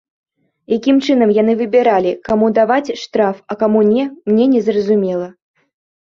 Якім чынам яны выбіралі, каму даваць штраф, а каму не, мне незразумела.